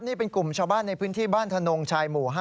นี่เป็นกลุ่มชาวบ้านในพื้นที่บ้านธนงชายหมู่๕